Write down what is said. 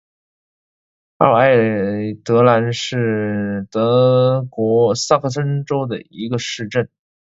奥埃德兰是德国萨克森州的一个市镇。